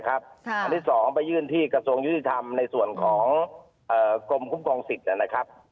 ครับอันที่สองไปยื่นที่กระทรวงยุทธรรมในส่วนของเอ่อกรมคุ้มคลองสิทธิ์อะนะครับ